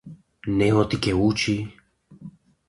Не оти ќе учи.